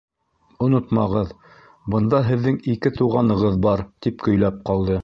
- Онотмағыҙ, бында һеҙҙең ике туғанығыҙ бар, - тип көйләп ҡалды.